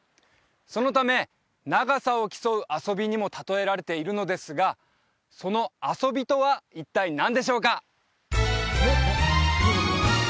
そのため長さを競う遊びにも例えられているのですがその遊びとは一体何でしょうか？